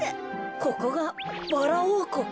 ここがバラおうこく。